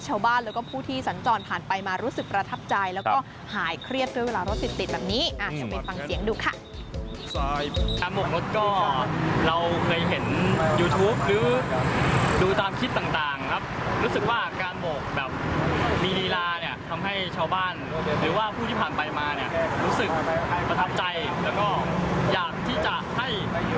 ชาวบ้านหรือว่าผู้ที่ผ่านไปมาเนี้ยรู้สึกประทับใจแล้วก็อยากที่จะให้